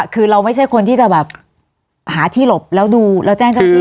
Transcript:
คือเราไม่ใช่คนที่จะแบบหาที่หลบแล้วดูแล้วแจ้งเจ้าหน้าที่